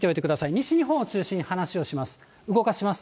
西日本を中心に話をします。